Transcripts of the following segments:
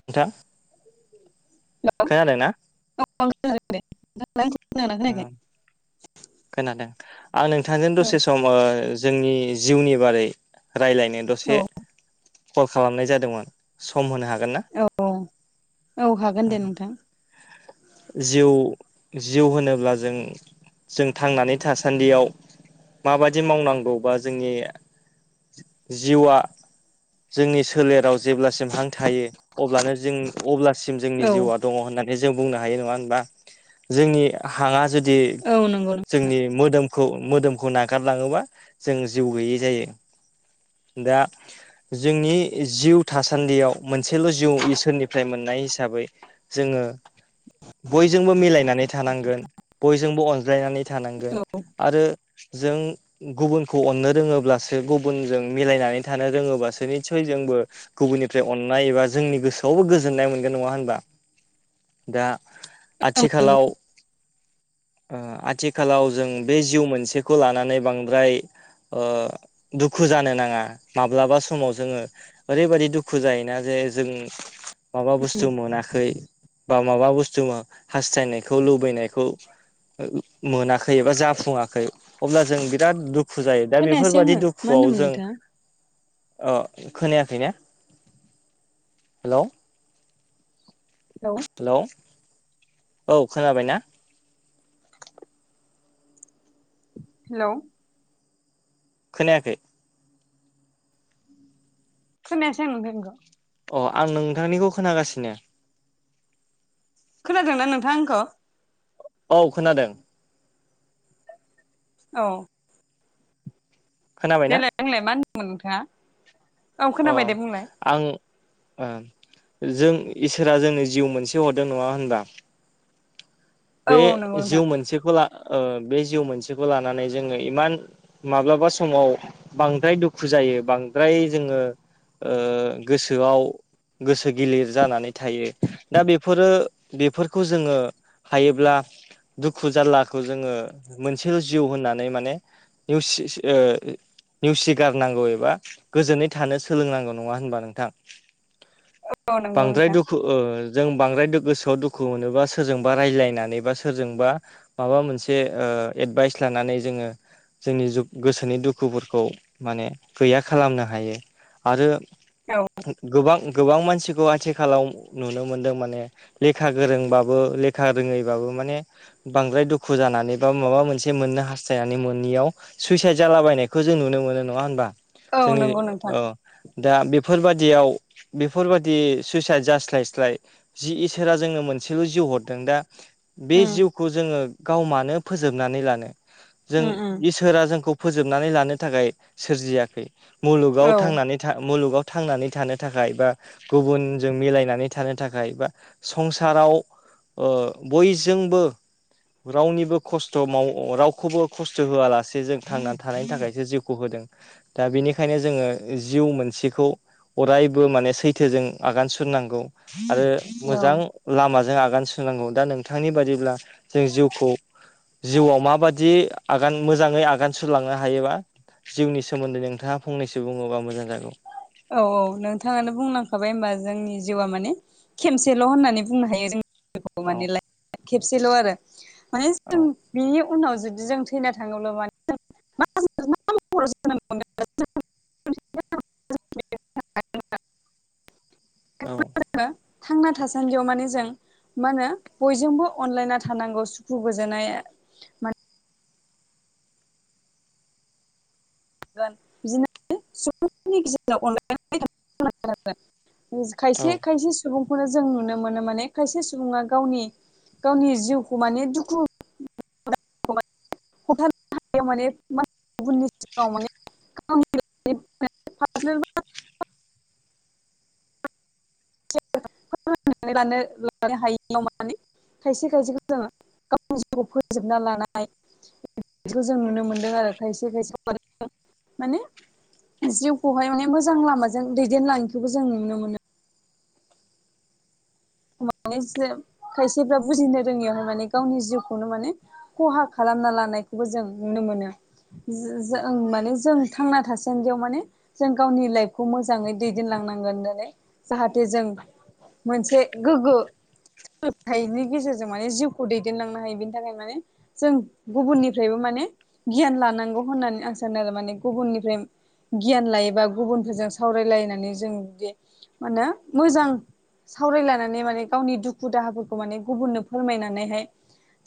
नोंथां [inaudible] खोनादों ना ओं खोनायाखै खोनादों आं नोंथांजों औ दसे सम जोंनि जिउनि बारै रायज्लायनो औ दसे कल खालामनाय जादोंमोन सम होनो हागोन ना औ औ औ हागोन दे नोंथां जिउ जिउ होनो अब्ला जों जों थांनानै थासान्दियाव माबायदि मावनांगौबा जोंनि जिउआ जोंनि सोलेराव जेब्लासिम हां थायो अब्लानो जों अब्लासिम जोंनि औ जिउआ दङ होननानै जों बुंनो हायो नङा होनबा जोंनि हांआ जुदि औ नंगौ जोंनि मोदोमखौ मोदोमखौ नागारलाङोबा जों जिउ गैयै जायो दा जोंनि जिउ थासान्दियाव मोनसेल जिउ इसोरनिफ्राय मोननाय हिसाबै जोङो बयजोंबो मिलायनानै थानां गोन। बयजोंबो अनज्लायनानै थानांगोन औ आरो जों गुबुनखौ अननो रोङोब्लासो गुबुनजों मिलायनानै थानो रोङोब्लासो निसयजोंबो गुबुननिफ्राय अननाय एबा जोंनि गोसोआवबो गोजोननाय मोनगोन नङा होनबा! दा औ नंगौ आथिखालाव ओ आथिखालाव जों बे जिउ मोनसेखौ लानानै बांद्राय ओ दुखु जानो नाङा। माब्लाबा समाव जोङो ओरैबायदि दुखु जायोना जे जों माबा बुस्थु मोनाखै बा माबा बुस्थु हास्थायनायखौ लुबैनायखौ मोनाखै एबा जाफुङाखै अब्ला जों बिराद दुखु जायो। दा खोनायासै बेफोरबादि आङो मा दुखुआव होनदोंमोन जों नोंथाङा आं खोनायाखै ने? हेलौ हेलौ हेलौ औ खोनाबाय ना? हेलौ खोनायाखै खोनायासै आं नों [unintelligible] अ आं नोंथांनिखौ खोनागासिनो। खोनादों ना नोंथां आंखौ? औ खोनादों औ खोनाबाय ना? नोंलाय मा होनदोंमोन नोंथाङा? औ अ खोनाबाय दे बुंलाय आं ओ जों इसोरा जोंनो जिउ मोनसे हरदों नङा होनबा! औ बे औ नंगौ नोंथां जिउ मोनसेखौ ला ओ बे जिउ मोनसेखौ लानानै जोङो इमान माब्लाबा समाव बांद्राय दुखु जायो, बांद्राय जोङो ओ गोसोआव गोसो गिलिर जानानै थायो। दा बेफोरो बेफोरखौ जोङो हायोब्ला दुखु जार्लाखौ जोङो मोनसेल' जिउ होननानै माने निउसि ओ नेवसिगारनांगौ एबा गोजोनै थानो सोलोंनांगौ नङा होनबा नोंथां! औ नंगौ बांद्राय नोंथां दुखु ओ जों बांद्राय गोसोआव दुखु मोनोबा सोरजों बा रायलायनानै बा सोरजोंबा माबा मोनसे ओ एडभाइस लानानै जोङो जोंनि गोसोनि दुखुफोरखौ माने गैया खालामनो हायो आरो औ गोबां गोबां मानसिखौ आथिखालाव नुनो मोनदों माने लेखा गोरोंबाबो खा रोङैबाबो माने बांद्राय दुखु जानानै बा माबा मोनसे मोननो हास्थायनानै मोनियाव सुइसाइद जालाबायनायखौ जों नुनो मोनो नङा होनबा औ जोंनि नंगौ नोंथां औ दा बेफोरबादियाव बेफोरबादि सुइसाइद जास्लायस्लाय जि इसोरा जोंनो मोनसेल' जिउ हर दा बे उम जिउखौ जोङो गाव मानो फोजोबनानै लानो? जों उम उम इसोरा जोंखौ फोजोबनानै लानो थाखाय सोरजियाखै मुलुगाव औ थांनानै थां मुलुगाव थांनानै थानो थाखाय एबा गुबुनजों मिलायनानै थानो थाखाय बा संसाराव ओ बयजोंबो रावनिबो खस्थ' माव रावखौबो खस्थ' होआलासे जों थांनानै थानायनि थाखायसो जिउखौ होदों। दा बेनिखायनो जोङो जिउ मोनसेखौ। अरायबो माने सैथोजों आगान सुरनांगौ। आरो औ मोजां लामाजों आगान सुरनांगौ। दा नोंथांनि बादिब्ला जों जिउखौ जिउआव माबादि आगान। मोजाङै आगान सुरलांनो हायोबा। जिउनि सोमोन्दै नोंथाङा फंनैसो बुङोबा मोजां जागौ। औ औ नोंथाङानो बुंलांखाबाय होमबा जोंनि जिउआ माने खेमसेल' होननानै बुंनो हायो जों। औ माने खेबसेल' आरो। माने औ जों बिनि उनाव जुदि जों थैना थाङोब्ला माने। मा महराव जोनोम मोनगोन। [inaudible] थांना थासान्दियाव माने जों मा होनो बयजोंबो अनलायना थानांगौ। सुखु गोजोननाया मानि बिदिनोनि गेजेराव अनलायनानै [inaudible] औ खायसे खायसे सुबुं खौनो जों नुनो मोनो। माने खायसे सुबुङा गावनि गावनि जिउखौ माने दुखु बुथारनो हायो माने गुबुननि सिगाङाव माने [inaudible] लानो हायो [inaudible] खायसे खायसेखौ जों गावनि जिउखौ फोजोबना लानाय बिदिखौ जों नुनो मोनदों आरो खायसे खायसे माने जिउखौहाय माने मोजां लामाजों दैदेनलांयैखौबो जों नुनो मोनो। माने जे खायसेफ्रा बुजिनो रोङियावनो माने गावनि जिउखौनो माने खहा खालामना लानायखौबो जों नुनो मोनो। जों माने जों थांना थासान्दियाव माने जों गावनि लाइफखौ मोजाङै दैदेनलांनांगोन। होननानै जाहाथे जों मोनसे गोग्गो। सोलोंथाइनि गेजेरजों माने जिउखौ दैदेनलांनो हायो। बेनि थाखाय माने जों गुबुननिफ्रायबो माने गियान लानांगौ होननानै आं सानो आरो माने। गुबुननिफ्राय गियान लायोबा गुबुनफोरजों सावरायलायनानै जों बे मानो मोजां सावरायलाय माने गावनि दुखु दाहाफोरखौ माने गुबुननो फोरमायनानैहाय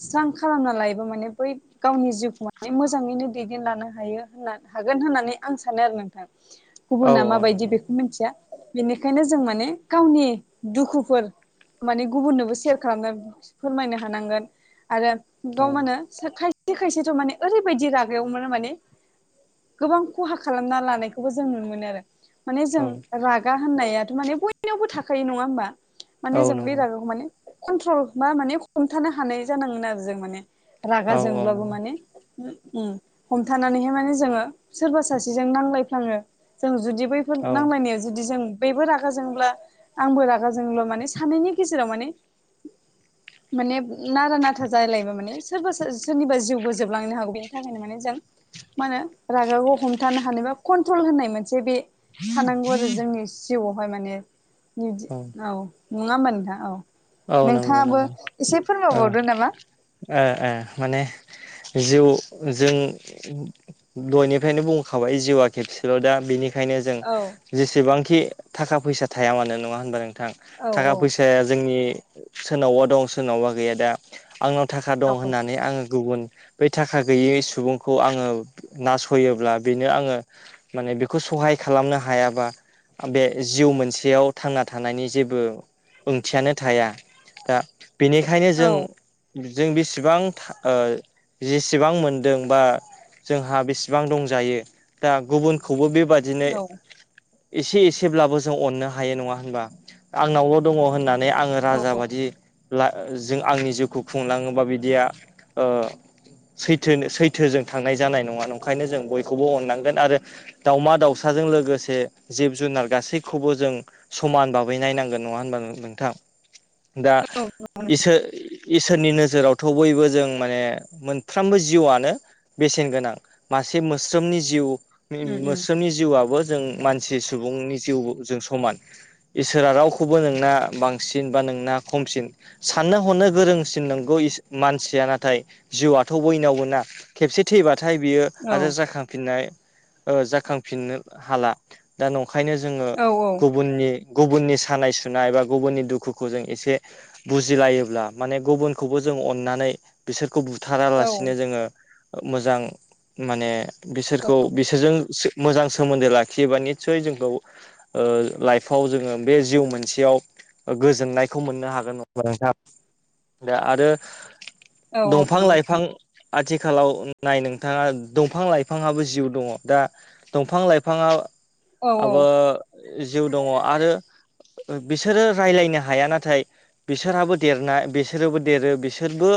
स्रां खालामना लायोबा माने बै गावनि जिउखौ माने मोजाङैनो दैदेनलांनो हायो होनना हागोन होननानै आं सानो आरो नोंथां। [unintelligible] गुबुना माबायदि नंगौ बेखौ मिनथिया। बेनिखायनो जों माने गावनि दुखु फोर माने गुबुननोबो सेयार खालामनो फोरमायनो हानांगोन। आरो औ गाव मानो सो खायसे खायसेथ' माने ओरैबायदि रागायावमोनो। माने गोबां खहा खालामना लानायखौबो जों नुनो मोनो। आरो माने जों औ रागा होननायाथ' माने बयनावबो थाखायो। नङा होमबा? औ माने जों बे नंगौ रागाखौ माने कन्ट्रल बा माने हमथानो हानाय जानांगोन आरो जों माने। औ रागा औ जोंब्लाबो नंगौ माने हु उम हमथानानैहाय माने जोङो सोरबा सासेजों नांलायफ्लाङो। जों जुदि बैफोर औ नांलायनायाव जुदि जों बेबो रागा जोंब्ला। आंबो रागा जोंब्ला। माने सानैनि गेजेराव माने [inaudible] माने नारा नाथा जालायलायबा माने सोरबा सोरनिबा जिउबो जोबलांनो हागौ। बेनि थाखायनो माने जों मा होनो रागाबो हमथानो हानाय बा कन्ट्रल होननाय मोनसे बे। थानांगौ। आरो जोंनि जिउआवहाय माने औ नङा होमबा नोंथां। औ नंगौ नोंथाङाबो नंगौ एसे ओ फोरमायबावदो नामा? ओ ओ माने जिउ जों दहायनिफ्रायनो बुंखाबाय जिउवा खेबसेल'दा बेनि बेखायनो जों औ जेसेबांखि थाखा फैसा थाया मानो नङा होनबा नोंथां औ थाखा औ फैसाया जोंनि सोरनावबा दं सोरनावबा गैया दा आंनाव थाखा दं होननानै आङो गुबुन बै थाखा गैयै सुबुंखौ आङो नासययोब्ला बेनो आङो माने बेखौ सहाय खालामनो हायाबा बे जिउ मोनसेयाव थांना थानायनि जेबो ओंथियानो थाया दा बेनिखायनो जों औ जों बेसेबां था ओ जेसेबां मोनदों बा जोंहा बेसेबां दंजायो दा गुबुनखौबो बेबा दिनो औ एसे एसेब्लाबो जों अननो हायो नङा होनबा आंनावल' दङ होनना माने आङो राजा बादि ला जों आंनि जिउखौ खुंलाङोबा बिदिया ओ सैथो सैथोजों थांनाय जानाय नङा नंखायनो जों बयखौबो अननांगोन आरो दाउमा दाउसाजों लोगोसे जिब जुनार गासैखौबो जों समान बाबै नायनांगोन नङा होनब नोंथां? दा औ इसो-इसोरनि नोजोरावथ' बयबो जों माने मोनफ्रोमबो जिउआनो बेसेन गोनां मासे मोस्रोमनि जिउ उम उम मोस्रोमनि जिउआबो जों मान मानसि सुबुंनि जिउजों समान इसोरा रावखौबो नोंना बांसिन बा नोंना खमसिन साननो हनो गोरोंसिन नंगौ मानसिया नाथाय जिउआथ' बयनावबो ना खेबसे थैबाथाय बियो औ आरो जाखांफिननाय ओ जाखांफिननो हाला। दा नंखायनो जोङो औ औ गुबुननि गुबुननि सानाय सुनाय एबा गुबुननि दुखुखौ जों एसे बुजिलायोब्ला माने गुबुनखौबो जों अननानै बिसोरखौ औ बुथारालासिनो जोङो मोजां माने बिसोरखौ बिसोरजों मोजां सोमोन्दो लाखियोबा निस्सय जोंखौ ओ लाइफआव जोङो बे जिउ मोनसेयाव गोजोननायखौ मोननो हागोन नङा नोंथा। दा आरो औ दंफां लाइफां आथिखालाव नाय नोंथाङा दंफां लाइफाङाबो जिउ दङ दा दंफां लाइफाङाआबो जिउ दङ। आरो बिसोरो रायज्लायनो हाया नाथाय बिसोरहाबो देरना बिसोरोबो देरो बिसोरबो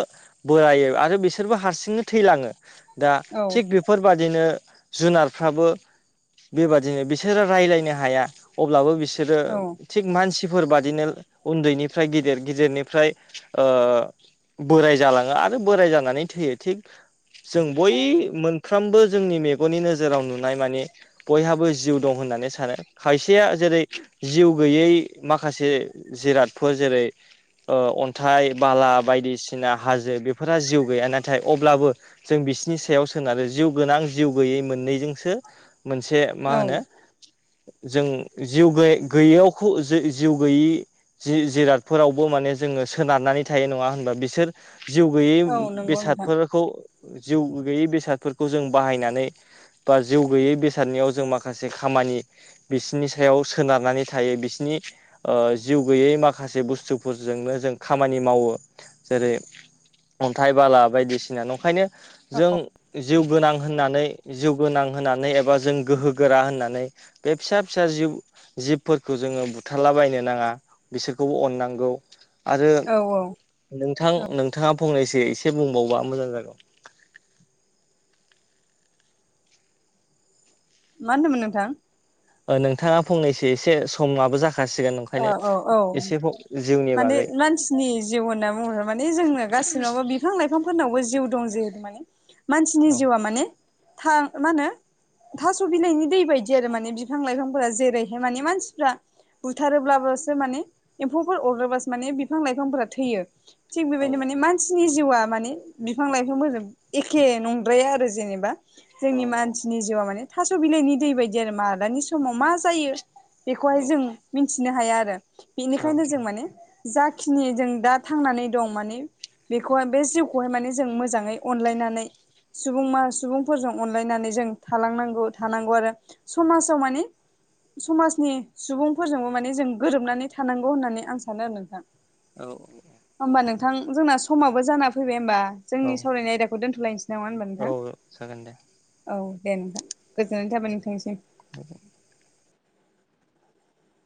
बोरायो आरो बिसोरबो हारसिंनो थैलाङो दा थिग बे बेफोरबादिनो जुनारफ्राबो बेबादिनो बिसोरो रायलायनो हाया अब्लाबो बिसोरो औ थिग मानसि फोर बादिनो उन्दैनिफ्राय गिदिर गिदिरनिफ्राय ओ बोराय जालाङो आरो बोराय जानानै थैयो थिग जों बय- मोनफ्रोमबो जोंनि मेगननि नोजोराव नुनाय माने बयहाबो जिउ दं होननानै सानो खायसेया जेरै जिउ गैयै माखासे जिरादफोर जेरै ओ अन्थाइ बाला बायदि सिना हाजो बेफोरा जिउ गैया नाथाय अब्लाबो जों बिसनि सायाव सोन आरो जिउ गोनां जिउ गैयै मोननैजोंसो मोनसे मा औ होनो जों जिउ गै गैयैयावखौ जो जि-जिउ गैयि जि-जिरादफोरावबो माने जोङो सोनारनानै थायो नङा होनबा बिसोर जिउ गैयै औ नंगौ नोंथां बेसादफोर खौ जिउ गैयै बेसादफोरखौ जों बाहायनानै बा जिउ गैयै बेसादनिआव जों माखासे खामानि बिसिनि सायाव सोनारनानै थायो बिसिनि ओ जिउ गैयै माखासे बुस्थुफोरजोंनो जों खामानि मावो जेरै अन्थाइ बाला बायदिसिना नंखायनो जों जिउ गोनां होननानै जिउगोनां होनानै एबा जों गोहोगोरा होननानै बे फिसा फिसा जिउ जिबफोरखौ जोङो बुथारला बायनो नाङा बिसोरखौबो अननांगौ आरो औ औ नोंथां नोंथाङा फंनैसो एसे बुंबावबा मोजां जागोन। मा होनदोंमोन नोंथां? नोंथाङा फंनैसो एसे समाबो जाखासिगोन औ ओंखायनो औ एसे जिउनि बागै नि जिउ होनना बुङोबा माने जोंनो गासिनावबो बिफां लाइफांफोरनावबो जिउ दं जिहेतु माने मानसिनि औ जिउआ माने थां मा होनो थास' बिलाइनि दै बायदि आरो माने बिफां लाइफांफोरा जेरैहाय माने मानसिफ्रा बुथारोब्लासो माने एम्फौफोर अरोबासो माने बिफां लाइफांफोरा थैयो। थिग औ बेबायदि माने मानसिनि जिउआ माने बिफां लाइफांफोरजों एखे नंद्राया आरो जेनेबा औ जोंनि मानसिनि जिउआ माने थास' बिलाइनि दै बायदि आरो मालानि समाव मा जायो। बेखौहाय औ जों मिथिनो हाया आरो बेनिखायनो जों माने जा खिनि जों दा थांनानै दं माने बेखौहाय बे जिउखौहाय माने जों मोजाङै अनलायनानै सुबुं मा सुबुंफोरजों अनलायनानै जों थालांनांगौ थानांगौ आरो‌ समाजाव माने समाजनि सुबुं फोरजोंबो माने जों गोरोबनानै थानांगौ होननानै आं सानो आरो नोंथां। औ होमबा नोंथां जोंना समावबो जाना फैबाय होमबा औ जोंनि सावरायनाय आयदाखौ दोनथ'लायनोसै। नङा होमबा औ नोंथां औ जागोन दे औ दे नोंथां गोजोननाय थाबाय नोंथांनिसिम। [inaudible]